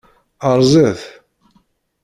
Rrẓet!